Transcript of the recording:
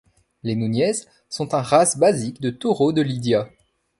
Les Nuñez sont un race basique de taureaux de lidia.